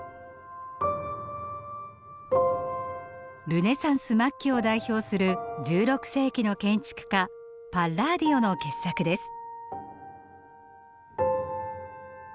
ルネサンス末期を代表する１６世紀の建築家パッラーディオの傑作です。